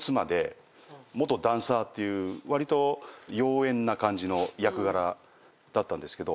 ていうわりと妖艶な感じの役柄だったんですけど。